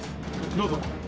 どうぞ。